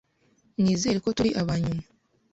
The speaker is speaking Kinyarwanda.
Nizere ko turi aba nyuma.